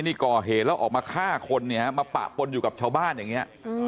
นี่ก่อเหตุแล้วออกมาฆ่าคนเนี่ยมาปะปนอยู่กับชาวบ้านอย่างนี้